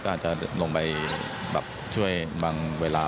ก็อาจจะลงไปแบบช่วยบางเวลา